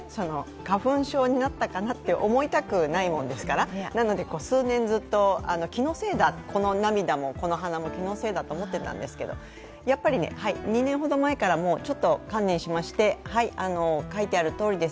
花粉症になったかなって思いたくないものですから、なので数年、ずっと、気のせいだ、この涙もこの鼻も気のせいだと思っていたんですけど２年ほど前からちょっと観念しまして、はい、書いてあるとおりです。